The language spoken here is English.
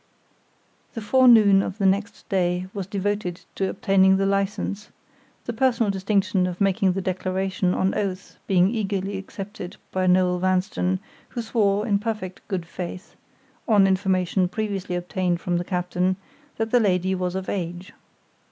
The forenoon of the next day was devoted to obtaining the license—the personal distinction of making the declaration on oath being eagerly accepted by Noel Vanstone, who swore, in perfect good faith (on information previously obtained from the captain) that the lady was of age.